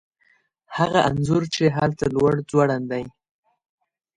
هغه انځور چې هلته لوړ ځوړند دی